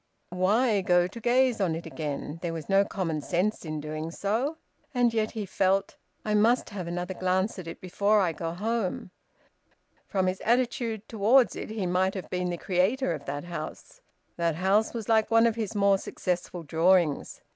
Why go to gaze on it again? There was no common sense in doing so. And yet he felt: "I must have another glance at it before I go home." From his attitude towards it, he might have been the creator of that house. That house was like one of his more successful drawings.